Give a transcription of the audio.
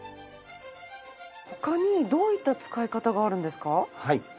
他にどういった使い方があるんですか？